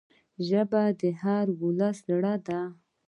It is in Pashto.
ژبه د هر ولس زړه ده